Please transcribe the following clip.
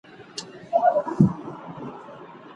ناروغي بې درمله نه ښه کېږي.